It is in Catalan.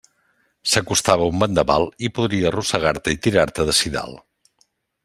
S'acostava un vendaval i podria arrossegar-te i tirar-te d'ací dalt.